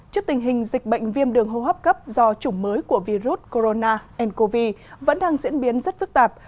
trước tình hình dịch bệnh viêm đường hô hấp cấp do chủng mới của virus corona ncov vẫn đang diễn biến rất phức tạp